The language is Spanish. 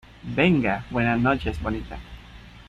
venga, buenas noches , bonita.